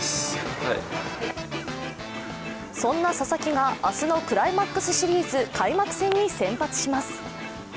そんな佐々木が明日のクライマックスシリーズ開幕戦に先発します。